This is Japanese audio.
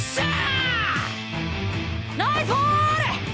ナイスボール！